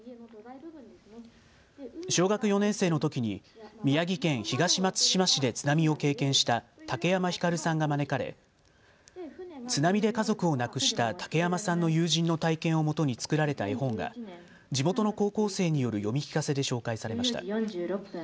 小学４年生のときに宮城県東松島市で津波を経験した武山ひかるさんが招かれ津波で家族を亡くした武山さんの友人の体験をもとに作られた絵本が地元の高校生による読み聞かせで紹介されました。